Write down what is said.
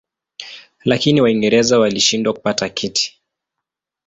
Lakini Waingereza walishindwa kupata kiti.